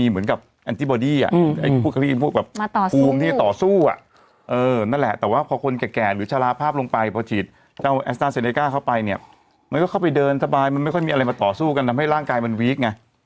มันก็เข้าไปเดินสบายมันไม่ค่อยมีอะไรมาต่อสู้กันทำให้ร่างกายมันวีกไง